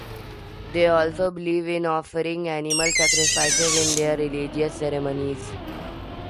They also believe in offering animal sacrifices in their religious ceremonies.